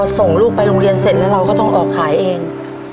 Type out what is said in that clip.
ส่งลูกไปโรงเรียนเสร็จแล้วเราก็ต้องออกขายเอง